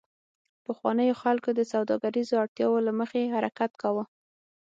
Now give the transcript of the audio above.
پخوانیو خلکو د سوداګریزو اړتیاوو له مخې حرکت کاوه